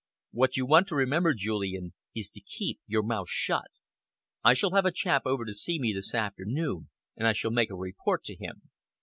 What you want to remember, Julian, is to keep your mouth shut. I shall have a chap over to see me this afternoon, and I shall make a report to him."